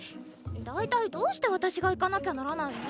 大体どうして私が行かなきゃならないの？